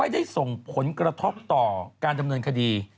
ได้ส่งผลกระทบต่อการดำเนินคดี